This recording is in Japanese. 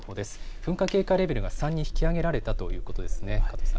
噴火警戒レベルが３に引き上げられたということですね。